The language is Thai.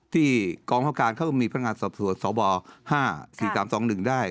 ที่กองข้อการเค้ามีพนักงานส่วนส่วน๕๔๓๒ได้